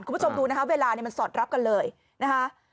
คุณผู้ชมดูนะคะเวลาเนี่ยมันสอดรับกันเลยนะคะ